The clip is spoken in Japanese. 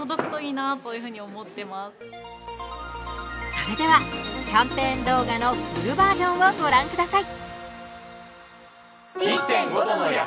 それでは、キャンペーン動画のフルバージョンをご覧ください。